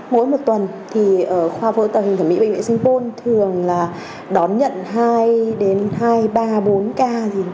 mỗi một tuần thì khoa phẫu thuật thẩm mỹ bệnh viện sanh tôn thường là đón nhận hai đến hai ba bốn ca